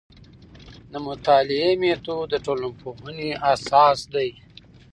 د مطالعې میتود د ټولنپوهنې اساس دی.